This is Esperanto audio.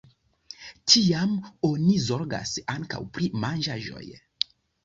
Tiam oni zorgas ankaŭ pri manĝaĵoj.